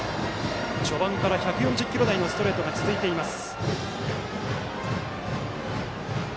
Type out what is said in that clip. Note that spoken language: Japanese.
序盤から１４０キロ台のストレートが続いています。